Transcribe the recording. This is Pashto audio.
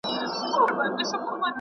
هر څېړونکی باید خپل مسؤلیت وپیژني.